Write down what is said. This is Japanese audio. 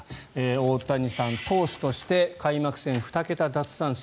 大谷さん、投手として開幕戦、２桁奪三振。